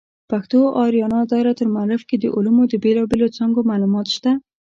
پښتو آریانا دایرة المعارف کې د علومو د بیلابیلو څانګو معلومات شته.